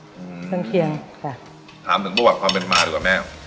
เครื่องเคียงค่ะถามถึงประวัติความเป็นมาดีกว่าแม่